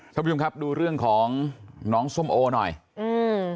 สวัสดีค่ะดูเรื่องของน้องส้มโอหน่อยอืม